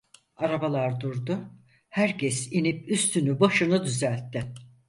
Arabalar durdu, herkes inip üstünü başını düzeltti.